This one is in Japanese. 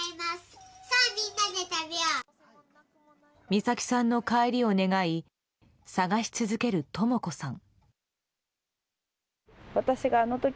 美咲さんの帰りを願い捜し続けるとも子さん。